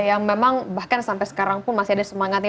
yang memang bahkan sampai sekarang pun masih ada semangatnya